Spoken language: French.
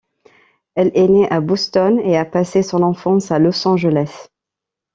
Elle est née à Boston et a passé son enfance à Los Angeles.